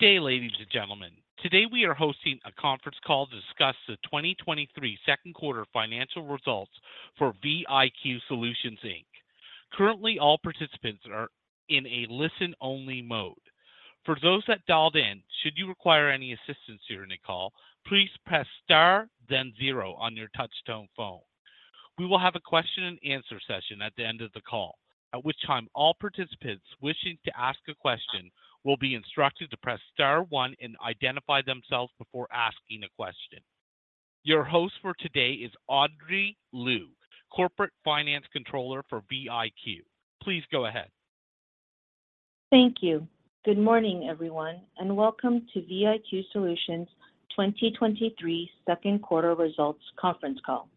Good day, ladies and gentlemen. Today, we are hosting a conference call to discuss the 2023 2nd quarter financial results for VIQ Solutions Inc. Currently, all participants are in a listen-only mode. For those that dialed in, should you require any assistance during the call, please press star then zero on your touchtone phone. We will have a question and answer session at the end of the call, at which time all participants wishing to ask a question will be instructed to press star one and identify themselves before asking a question. Your host for today is Audrey Liu, Corporate Finance Controller for VIQ. Please go ahead. Thank you. Good morning, everyone, and welcome to VIQ Solutions' 2023 second quarter results conference call.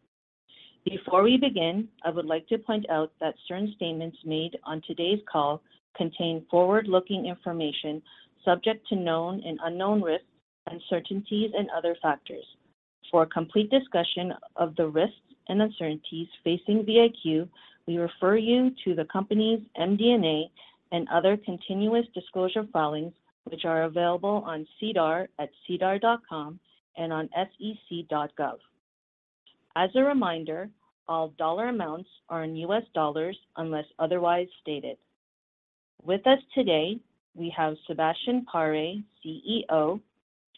Before we begin, I would like to point out that certain statements made on today's call contain forward-looking information subject to known and unknown risks, uncertainties, and other factors. For a complete discussion of the risks and uncertainties facing VIQ, we refer you to the company's MD&A and other continuous disclosure filings, which are available on SEDAR at sedar.com and on sec.gov. As a reminder, all dollar amounts are in U.S. dollars unless otherwise stated. With us today, we have Sébastien Paré, CEO;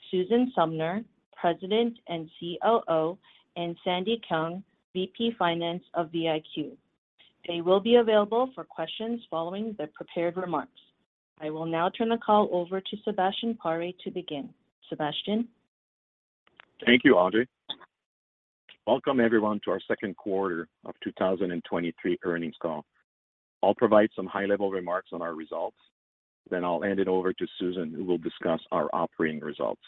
Susan Sumner, President and COO; and Sandy Keung, VP Finance of VIQ. They will be available for questions following their prepared remarks. I will now turn the call over to Sebastien Pare to begin. Sébastien? Thank you, Audrey. Welcome, everyone, to our second quarter of 2023 earnings call. I'll provide some high-level remarks on our results, then I'll hand it over to Susan, who will discuss our operating results.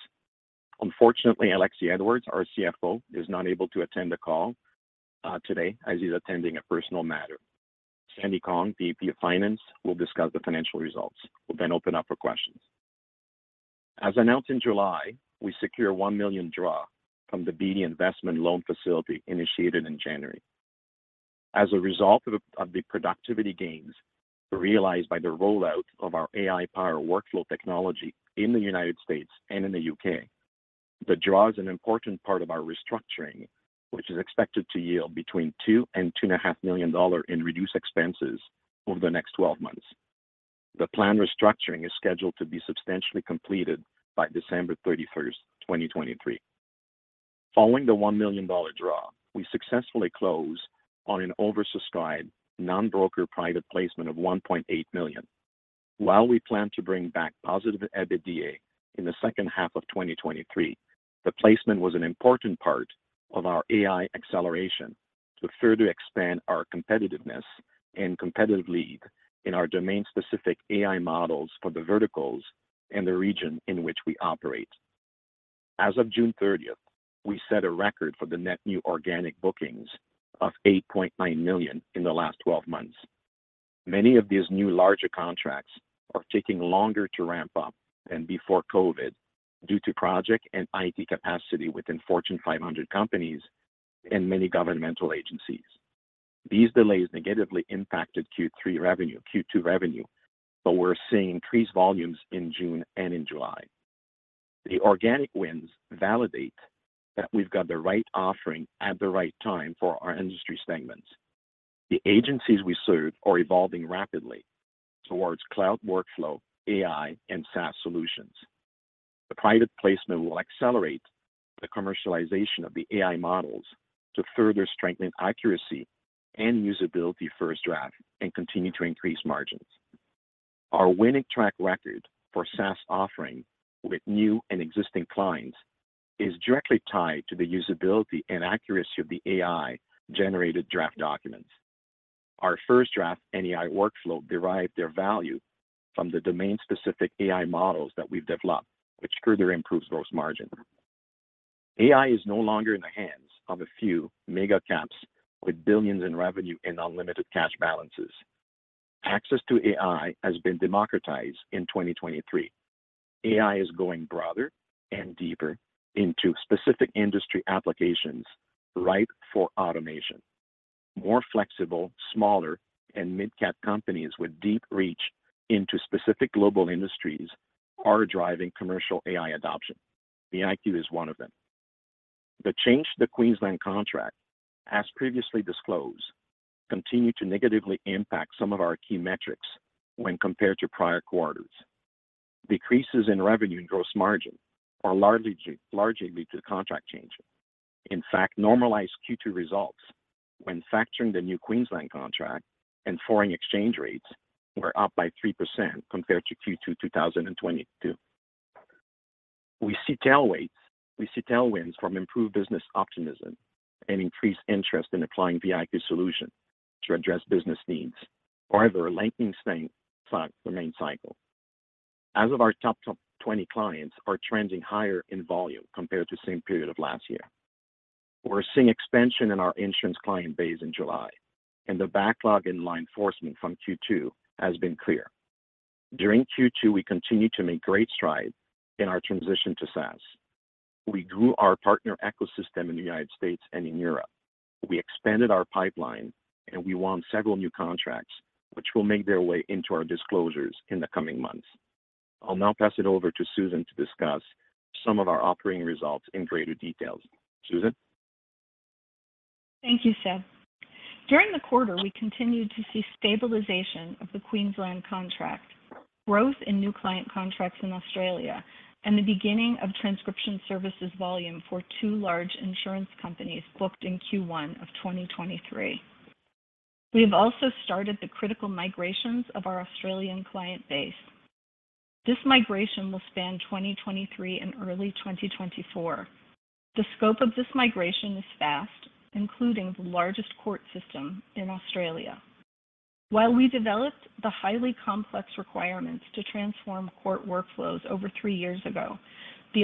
Unfortunately, Alexie Edwards, our CFO, is not able to attend the call today as he's attending a personal matter. Sandy Keung, VP Finance, will discuss the financial results. We'll then open up for questions. As announced in July, we secure a $1 million draw from the Beedie investment loan facility initiated in January. As a result of the productivity gains realized by the rollout of our AI-powered workflow technology in the United States and in the U.K., the draw is an important part of our restructuring, which is expected to yield between $2 million-$2.5 million in reduced expenses over the next 12 months. The planned restructuring is scheduled to be substantially completed by December 31, 2023. Following the $1 million draw, we successfully closed on an oversubscribed non-broker private placement of $1.8 million. While we plan to bring back positive EBITDA in the second half of 2023, the placement was an important part of our AI acceleration to further expand our competitiveness and competitive lead in our domain-specific AI models for the verticals and the region in which we operate. As of June 30, we set a record for the net new organic bookings of $8.9 million in the last 12 months. Many of these new larger contracts are taking longer to ramp up than before COVID, due to project and IT capacity within Fortune 500 companies and many governmental agencies. These delays negatively impacted Q2 revenue. We're seeing increased volumes in June and in July. The organic wins validate that we've got the right offering at the right time for our industry segments. The agencies we serve are evolving rapidly towards cloud workflow, AI, and SaaS solutions. The private placement will accelerate the commercialization of the AI models to further strengthen accuracy and usability for FirstDraft and continue to increase margins. Our winning track record for SaaS offering with new and existing clients is directly tied to the usability and accuracy of the AI-generated draft documents. Our FirstDraft, and AI workflow, derived their value from the domain-specific AI models that we've developed, which further improves gross margin. AI is no longer in the hands of a few mega caps, with billions in revenue and unlimited cash balances. Access to AI has been democratized in 2023. AI is going broader and deeper into specific industry applications ripe for automation. More flexible, smaller, and mid-cap companies with deep reach into specific global industries are driving commercial AI adoption. VIQ is one of them. The change to the Queensland contract, as previously disclosed, continued to negatively impact some of our key metrics when compared to prior quarters. Decreases in revenue and gross margin are largely, largely due to the contract change. In fact, normalized Q2 results when factoring the new Queensland contract and foreign exchange rates were up by 3% compared to Q2 2022. We see tailwinds from improved business optimism and increased interest in applying VIQ solution to address business needs, further lengthening the main cycle. As of our top 20 clients are trending higher in volume compared to the same period of last year. We're seeing expansion in our insurance client base in July, and the backlog in law enforcement from Q2 has been clear. During Q2, we continued to make great strides in our transition to SaaS. We grew our partner ecosystem in the United States and in Europe. We expanded our pipeline, and we won several new contracts, which will make their way into our disclosures in the coming months. I'll now pass it over to Susan to discuss some of our operating results in greater details. Susan? Thank you, Seb. During the quarter, we continued to see stabilization of the Queensland contract, growth in new client contracts in Australia, and the beginning of transcription services volume for two large insurance companies booked in Q1 of 2023. We have also started the critical migrations of our Australian client base. This migration will span 2023 and early 2024. The scope of this migration is fast, including the largest court system in Australia. While we developed the highly complex requirements to transform court workflows over three years ago, the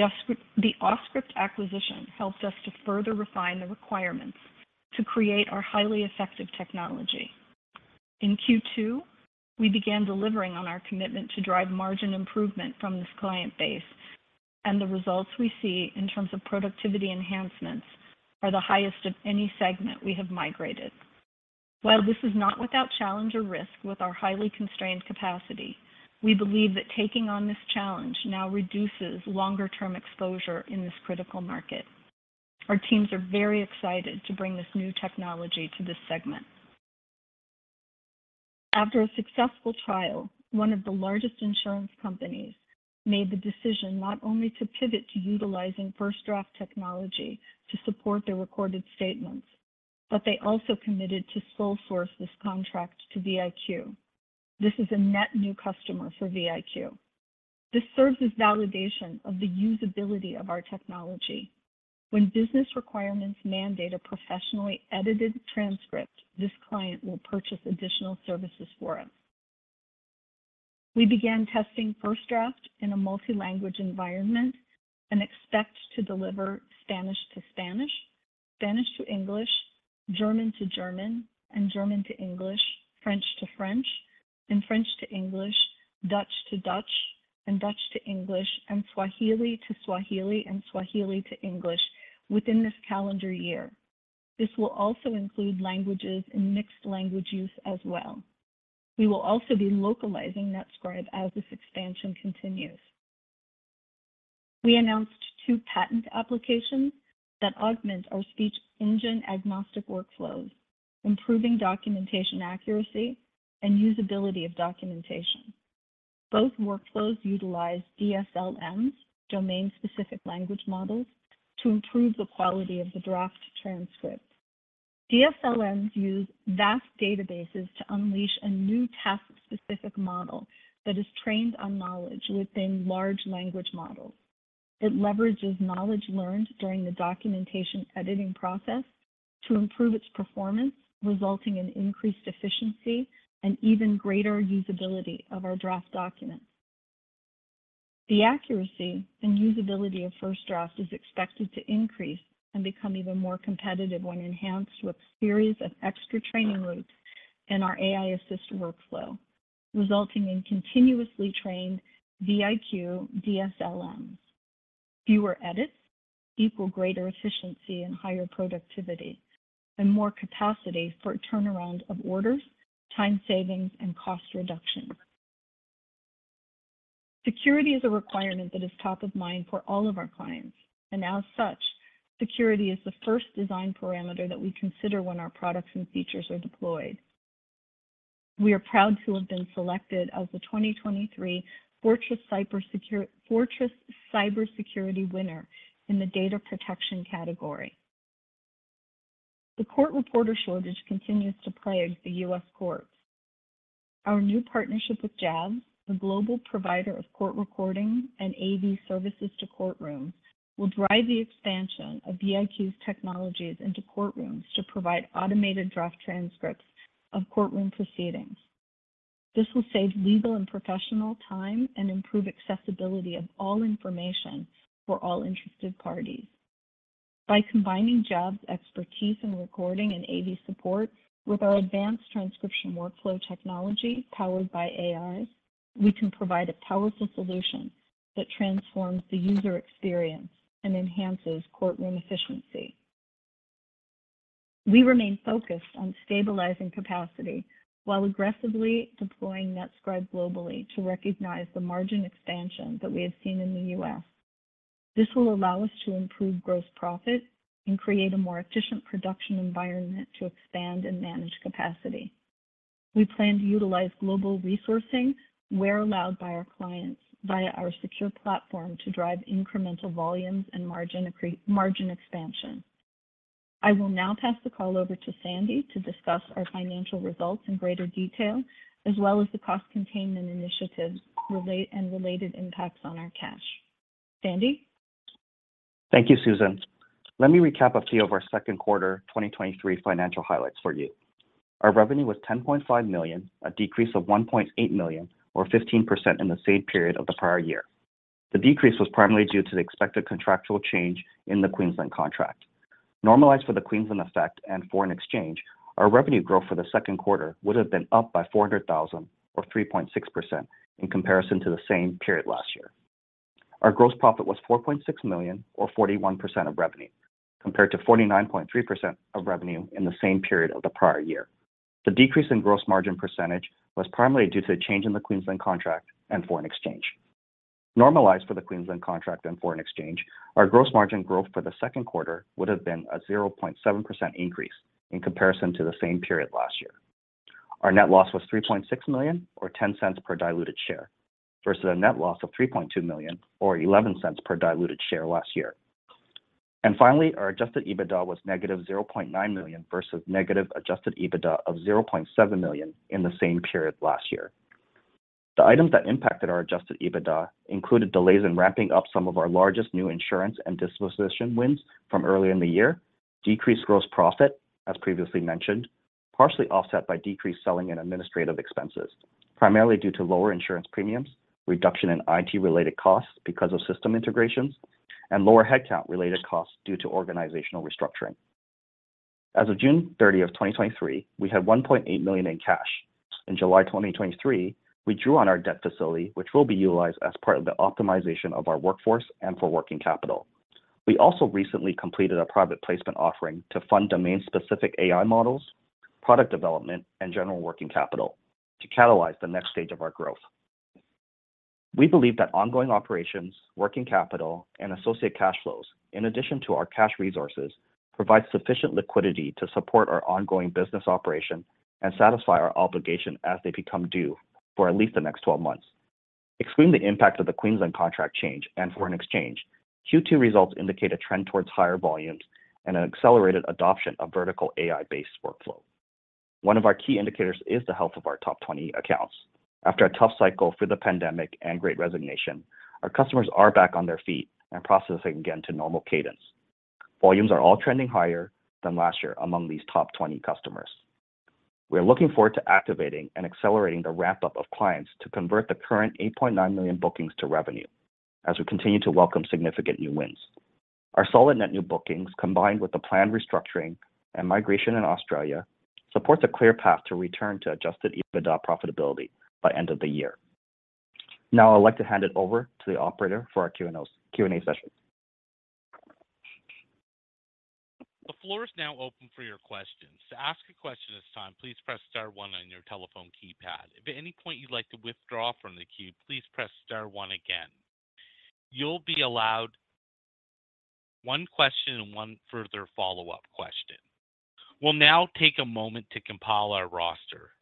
Auscript acquisition helped us to further refine the requirements to create our highly effective technology. In Q2, we began delivering on our commitment to drive margin improvement from this client base, and the results we see in terms of productivity enhancements are the highest of any segment we have migrated. While this is not without challenge or risk with our highly constrained capacity, we believe that taking on this challenge now reduces longer-term exposure in this critical market. Our teams are very excited to bring this new technology to this segment. After a successful trial, one of the largest insurance companies made the decision not only to pivot to utilizing FirstDraft technology to support their recorded statements, but they also committed to sole source this contract to VIQ. This is a net new customer for VIQ. This serves as validation of the usability of our technology. When business requirements mandate a professionally edited transcript, this client will purchase additional services for us. We began testing FirstDraft in a multi-language environment and expect to deliver Spanish to Spanish, Spanish to English, German to German, and German to English, French to French, and French to English, Dutch to Dutch, and Dutch to English, and Swahili to Swahili, and Swahili to English within this calendar year. This will also include languages in mixed language use as well. We will also be localizing NetScribe as this expansion continues. We announced two patent applications that augment our speech engine agnostic workflows, improving documentation accuracy and usability of documentation. Both workflows utilize DSLMs, domain specific language models, to improve the quality of the draft transcript. DSLMs use vast databases to unleash a new task-specific model that is trained on knowledge within large language models. It leverages knowledge learned during the documentation editing process to improve its performance, resulting in increased efficiency and even greater usability of our draft documents. The accuracy and usability of FirstDraft is expected to increase and become even more competitive when enhanced with series of extra training loops in our AI Assist workflow, resulting in continuously trained VIQ DSLMs. Fewer edits equal greater efficiency and higher productivity, and more capacity for turnaround of orders, time savings, and cost reductions. Security is a requirement that is top of mind for all of our clients, and as such, security is the first design parameter that we consider when our products and features are deployed. We are proud to have been selected as the 2023 Fortress Cybersecurity winner in the data protection category. The court reporter shortage continues to plague the U.S. courts. Our new partnership with JAVS, a global provider of court recording and AV services to courtrooms, will drive the expansion of VIQ's technologies into courtrooms to provide automated draft transcripts of courtroom proceedings. This will save legal and professional time and improve accessibility of all information for all interested parties. By combining JAVS' expertise in recording and AV support with our advanced transcription workflow technology powered by AI, we can provide a powerful solution that transforms the user experience and enhances courtroom efficiency. We remain focused on stabilizing capacity while aggressively deploying NetScribe globally to recognize the margin expansion that we have seen in the U.S. This will allow us to improve gross profit and create a more efficient production environment to expand and manage capacity. We plan to utilize global resourcing where allowed by our clients via our secure platform to drive incremental volumes and margin expansion. I will now pass the call over to Sandy to discuss our financial results in greater detail, as well as the cost containment initiatives relate, and related impacts on our cash. Sandy? Thank you, Susan. Let me recap a few of our second quarter 2023 financial highlights for you. Our revenue was $10.5 million, a decrease of $1.8 million, or 15% in the same period of the prior year. The decrease was primarily due to the expected contractual change in the Queensland contract.... normalized for the Queensland effect and foreign exchange, our revenue growth for the second quarter would have been up by $400,000, or 3.6%, in comparison to the same period last year. Our gross profit was $4.6 million, or 41% of revenue, compared to 49.3% of revenue in the same period of the prior year. The decrease in gross margin percentage was primarily due to a change in the Queensland contract and foreign exchange. Normalized for the Queensland contract and foreign exchange, our gross margin growth for the second quarter would have been a 0.7% increase in comparison to the same period last year. Our net loss was $3.6 million, or $0.10 per diluted share, versus a net loss of $3.2 million, or $0.11 per diluted share last year. Finally, our Adjusted EBITDA was negative $0.9 million, versus negative Adjusted EBITDA of $0.7 million in the same period last year. The items that impacted our Adjusted EBITDA included delays in ramping up some of our largest new insurance and deposition wins from earlier in the year, decreased gross profit, as previously mentioned, partially offset by decreased selling and administrative expenses, primarily due to lower insurance premiums, reduction in IT-related costs because of system integrations, and lower headcount-related costs due to organizational restructuring. As of June 30, 2023, we had $1.8 million in cash. In July 2023, we drew on our debt facility, which will be utilized as part of the optimization of our workforce and for working capital. We also recently completed a private placement offering to fund domain-specific AI models, product development, and general working capital to catalyze the next stage of our growth. We believe that ongoing operations, working capital, and associate cash flows, in addition to our cash resources, provide sufficient liquidity to support our ongoing business operation and satisfy our obligation as they become due for at least the next 12 months. Excluding the impact of the Queensland contract change and foreign exchange, Q2 results indicate a trend towards higher volumes and an accelerated adoption of vertical AI-based workflow. One of our key indicators is the health of our top 20 accounts. After a tough cycle through the pandemic and Great Resignation, our customers are back on their feet and processing again to normal cadence. Volumes are all trending higher than last year among these top 20 customers. We are looking forward to activating and accelerating the ramp-up of clients to convert the current $8.9 million bookings to revenue as we continue to welcome significant new wins. Our solid net new bookings, combined with the planned restructuring and migration in Australia, supports a clear path to return to Adjusted EBITDA profitability by end of the year. Now, I'd like to hand it over to the operator for our Q&A session. The floor is now open for your questions. To ask a question this time, please press star one on your telephone keypad. If at any point you'd like to withdraw from the queue, please press star one again. You'll be allowed one question and one further follow-up question. We'll now take a moment to compile our roster.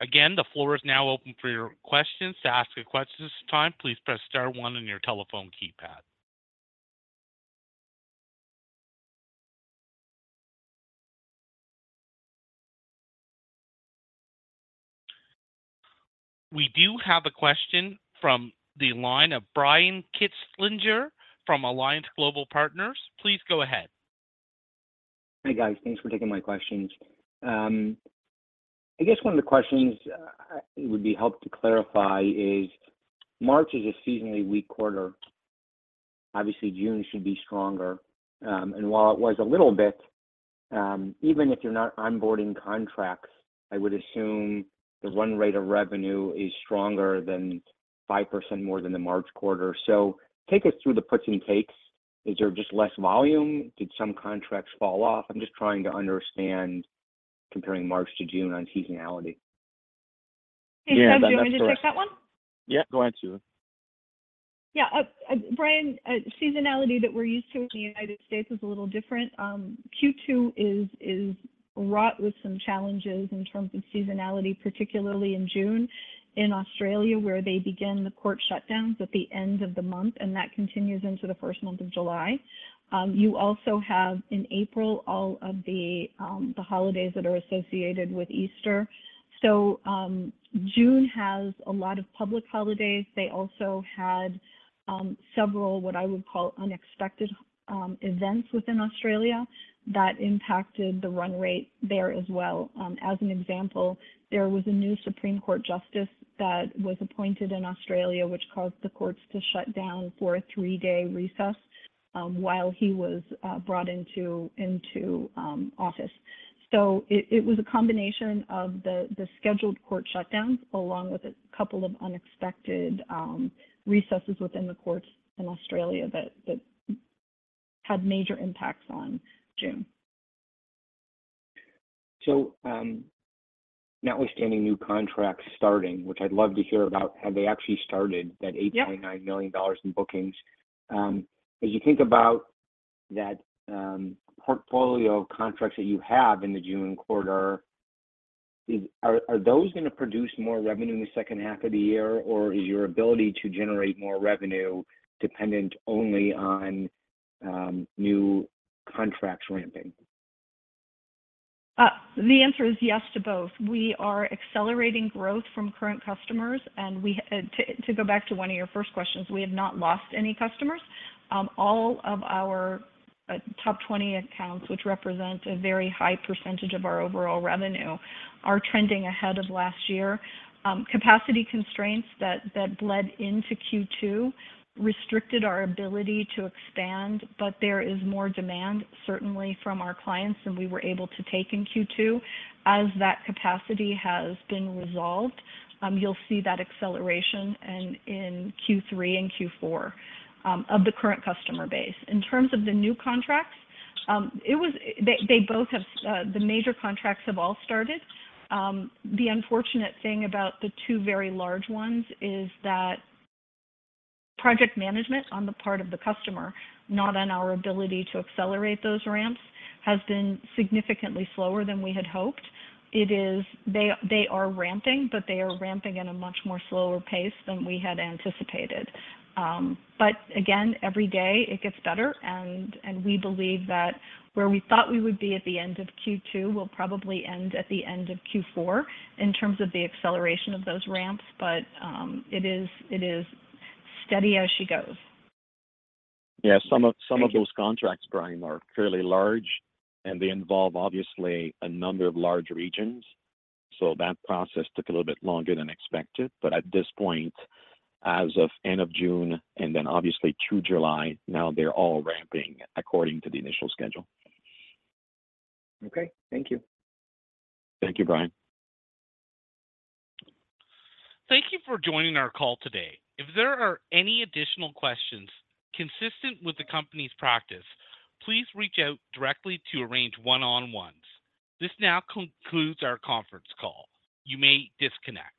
Again, the floor is now open for your questions. To ask a question this time, please press star one on your telephone keypad. We do have a question from the line of Brian Kinstlinger from Alliance Global Partners. Please go ahead. Hey, guys. Thanks for taking my questions. I guess one of the questions it would be helped to clarify is, March is a seasonally weak quarter. Obviously, June should be stronger. While it was a little bit, even if you're not onboarding contracts, I would assume the run rate of revenue is stronger than 5% more than the March quarter. Take us through the puts and takes. Is there just less volume? Did some contracts fall off? I'm just trying to understand comparing March to June on seasonality. Yeah, that's correct. Hey, Brian. Do you want me to take that one? Yeah, go ahead, Susan. Yeah. Brian, seasonality that we're used to in the United States is a little different. Q2 is wrought with some challenges in terms of seasonality, particularly in June in Australia, where they begin the court shutdowns at the end of the month, and that continues into the first month of July. You also have, in April, all of the holidays that are associated with Easter. June has a lot of public holidays. They also had several, what I would call, unexpected events within Australia that impacted the run rate there as well. As an example, there was a new Supreme Court justice that was appointed in Australia, which caused the courts to shut down for a 3-day recess, while he was brought into, into office. It, it was a combination of the, the scheduled court shutdowns, along with a couple of unexpected recesses within the courts in Australia that, that had major impacts on June. Notwithstanding new contracts starting, which I'd love to hear about, have they actually started? Yep... that $8.9 million in bookings? As you think about that, portfolio of contracts that you have in the June quarter, are those gonna produce more revenue in the second half of the year, or is your ability to generate more revenue dependent only on new contracts ramping? The answer is yes to both. We are accelerating growth from current customers, and we, to, to go back to 1 of your 1st questions, we have not lost any customers. All of our top 20 accounts, which represent a very high percentage of our overall revenue, are trending ahead of last year. Capacity constraints that, that bled into Q2 restricted our ability to expand. There is more demand, certainly from our clients than we were able to take in Q2. As that capacity has been resolved, you'll see that acceleration and in Q3 and Q4 of the current customer base. In terms of the new contracts, They, they both have, the major contracts have all started. The unfortunate thing about the two very large ones is that project management on the part of the customer, not on our ability to accelerate those ramps, has been significantly slower than we had hoped. They are ramping, but they are ramping at a much more slower pace than we had anticipated. Again, every day, it gets better, and we believe that where we thought we would be at the end of Q2 will probably end at the end of Q4, in terms of the acceleration of those ramps. It is steady as she goes. Yeah. Thank you. Some of those contracts, Brian, are fairly large, and they involve obviously a number of large regions, so that process took a little bit longer than expected. At this point, as of end of June and then obviously through July, now they're all ramping according to the initial schedule. Okay, thank you. Thank you, Brian. Thank you for joining our call today. If there are any additional questions consistent with the company's practice, please reach out directly to arrange one-on-ones. This now concludes our conference call. You may disconnect. Thank you.